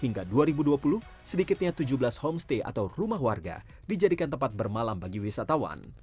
hingga dua ribu dua puluh sedikitnya tujuh belas homestay atau rumah warga dijadikan tempat bermalam bagi wisatawan